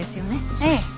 ええ。